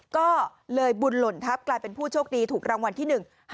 ก็เลยบุญหล่นทัพกลายเป็นผู้โชคดีถูกรางวัลที่หนึ่ง